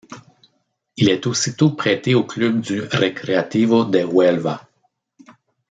Il est aussitôt prêté au club du Recreativo de Huelva.